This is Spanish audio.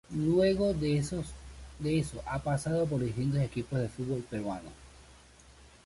Luego de eso ha pasado por distintos equipos del fútbol peruano.